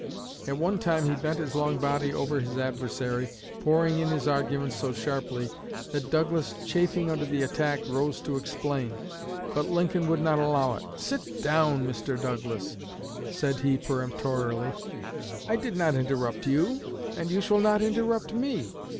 At one time he bent his long body over his adversary, pouring in his arguments so sharply, that Douglas, chafing under the attack, rose to explain; but Lincoln would not allow it. 'Sit down, Mr. Douglas!' said he peremptorily. 'I did not interrupt you, and you shall not interrupt me.